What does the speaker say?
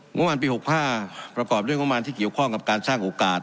ประมาณปี๖๕ประกอบด้วยงบประมาณที่เกี่ยวข้องกับการสร้างโอกาส